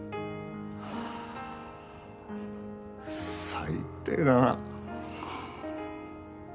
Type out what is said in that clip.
最低だな。